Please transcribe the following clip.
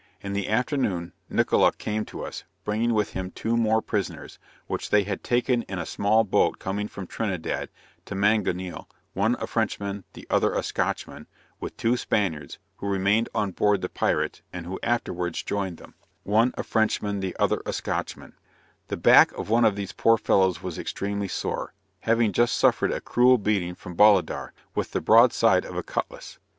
In the afternoon Nickola came to us, bringing with him two more prisoners, which they had taken in a small sail boat coming from Trinidad to Manganeil, one a Frenchman, the other a Scotchman, with two Spaniards, who remained on board the pirate, and who afterwards joined them. The back of one of these poor fellows was extremely sore, having just suffered a cruel beating from Bolidar, with the broad side of a cutlass.